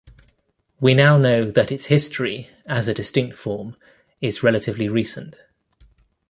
We now know that its history as a distinct form is relatively recent.